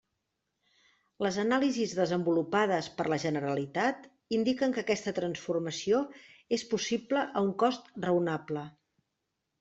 Les anàlisis desenvolupades per la Generalitat indiquen que aquesta transformació és possible a un cost raonable.